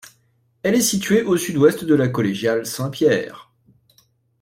Elle est située au sud-ouest de la collégiale saint-Pierre.